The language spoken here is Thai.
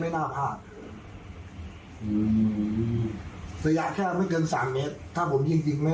ไม่น่าผิดเดี๋ยวอยากแค่ไม่เกิน๓เมตรถ้าผมจริงไม่